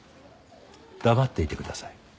黙っていてください。